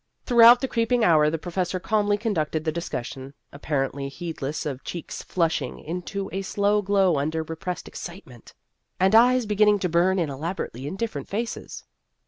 Throughout the creeping hour the professor calmly conducted the discus sion, apparently heedless of cheeks flush The Career of a Radical 101 ing into a slow glow under repressed excitement, and eyes beginning to burn in elaborately indifferent faces.